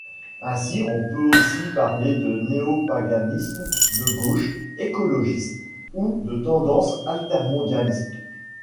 Ainsi, on peut aussi parler de néopaganisme de gauche, écologiste ou de tendance altermondialiste.